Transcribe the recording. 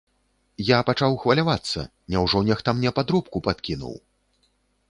Я пачаў хвалявацца, няўжо нехта мне падробку падкінуў?